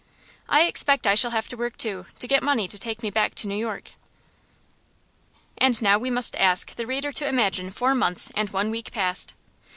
"I expect I shall have to work, too, to get money to take me back to New York." And now we must ask the reader to imagine four months and one week passed.